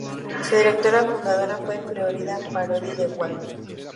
Su directora-fundadora fue Florinda Parodi de Ward.